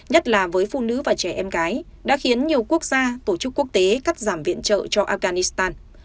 nhất là với phụ nữ và trẻ em gái đã khiến nhiều quốc gia tổ chức quốc tế cắt giảm viện trợ cho afghanistan